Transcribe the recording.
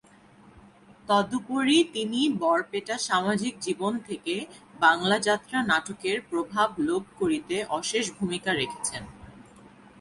তদুপরি তিনি বরপেটা সামাজিক জীবন থেকে বাংলা যাত্রা নাটকের প্রভাব লোপ করিতে অশেষ ভূমিকা রেখেছেন।